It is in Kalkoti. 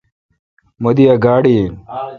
مہ دی ا گاڑی این۔